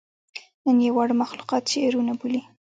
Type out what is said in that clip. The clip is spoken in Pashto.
نن ئې واړه مخلوقات شعرونه بولي